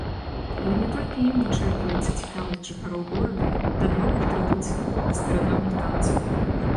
Але не толькі ім вычэрпваецца цікавасць жыхароў горада да народных традыцый, да старадаўніх танцаў.